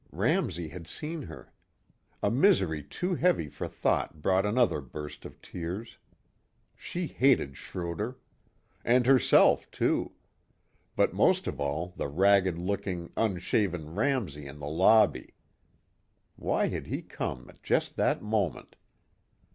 Ramsey had seen her. A misery too heavy for thought brought another burst of tears. She hated Schroder. And herself, too. But most of all the ragged looking, unshaven Ramsey in the lobby. Why had he come at just that moment?